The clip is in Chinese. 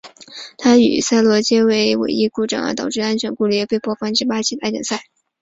他与萨洛皆因尾翼故障导致的安全顾虑而被迫放弃巴西大奖赛。